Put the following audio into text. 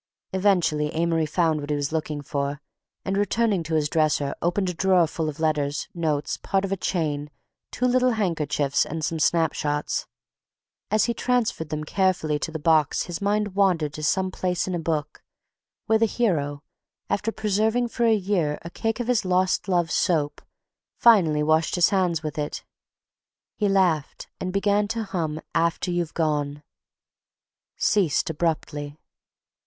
Eventually Amory found what he was looking for and, returning to his dresser, opened a drawer full of letters, notes, part of a chain, two little handkerchiefs, and some snap shots. As he transferred them carefully to the box his mind wandered to some place in a book where the hero, after preserving for a year a cake of his lost love's soap, finally washed his hands with it. He laughed and began to hum "After you've gone" ... ceased abruptly...